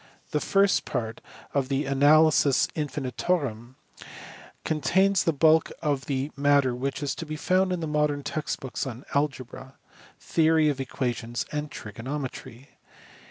The first part of the Analysis Infinitorum contains the bulk of the matter which is to be found in modern text books on algebra, theory of equations, and trigonometry.